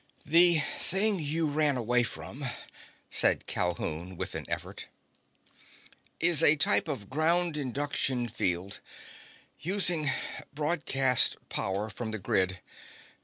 "The thing you ran away from," said Calhoun with effort, "is a type of ground induction field using broadcast power from the grid.